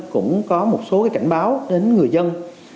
cũng có một số cảnh báo đến người dân